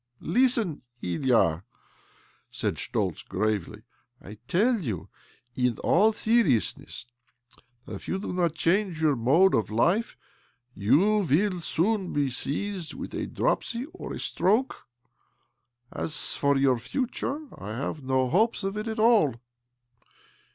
" Listen, Ilya," said Schtoltz gravely. " I tell you, in all seriousness, that if you do not change your mode of life you will soon be seized with dropsy or a .stroke. As for OBLOMOV 239 your future, I have no hopes of it at all.